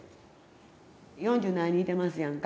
四十何人いてますやんか。